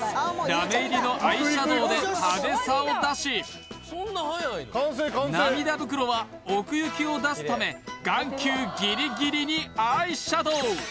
ラメ入りのアイシャドーで派手さを出し涙袋は奥行きを出すため眼球ギリギリにアイシャドー